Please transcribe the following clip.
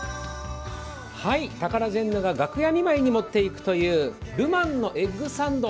タカラジェンヌが楽屋にまで持っていくというルマンのエッグサンド。